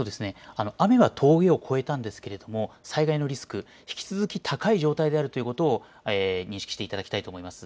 雨は峠を越えたんですけれども災害のリスク、引き続き高い状態であるということを認識していただきたいと思います。